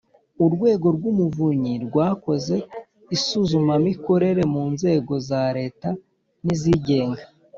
urwego rw’umuvunyi rwakoze isuzumamikorere mu nzego za leta n’izigenga